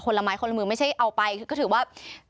คนละไม้คนละหมื่นไม่ใช่เอาไปก็ถือว่า